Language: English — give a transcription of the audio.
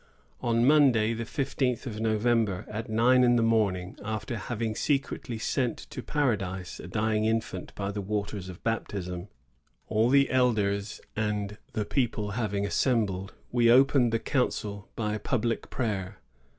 " On Monday, the fifteenth of November, at nine in the morning, after having secretly sent to Paradise a dying infant by the waters of baptism, all the elders and the people having assembled, we opened 1655.] REPLY OF THE CHIEFS. 71 the council by public piajer.''